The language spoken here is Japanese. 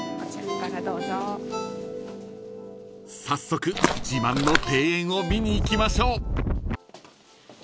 ［早速自慢の庭園を見に行きましょう］